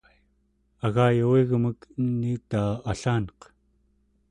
agayuvigmek eniutaa allaneq